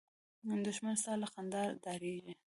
دښمن ستا له خندا ډارېږي